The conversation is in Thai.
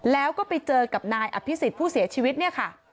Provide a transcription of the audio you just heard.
แล้วก็ไปเจอกับนายอภิษฎผู้เสียชีวิตเนี่ยค่ะ